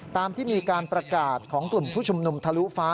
ตามที่มีการประกาศของกลุ่มผู้ชุมนุมทะลุฟ้า